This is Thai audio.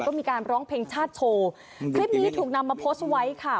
ก็มีการร้องเพลงชาติโชว์คลิปนี้ถูกนำมาโพสต์ไว้ค่ะ